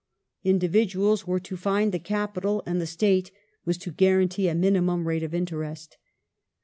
Individuals were to find the capital, and the State was to guarantee a minimum rate of interest.